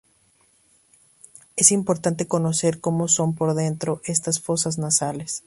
Es importante conocer cómo son por dentro estas fosas nasales.